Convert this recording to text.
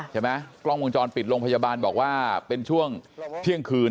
ใช่ไหมกล้องวงจรปิดโรงพยาบาลบอกว่าเป็นช่วงเที่ยงคืน